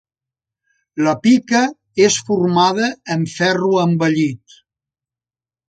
La pica és formada amb ferro envellit.